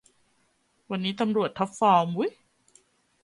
วันนี้ตำรวจท็อปฟอร์มวุ้ย